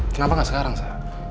kenapa gak sekarang sa